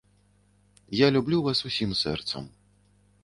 Я люблю вас усім сэрцам.